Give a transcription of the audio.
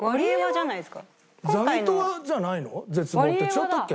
違ったっけ？